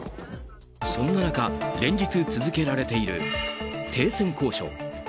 そんな中、連日続けられている停戦交渉。